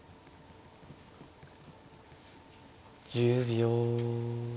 １０秒。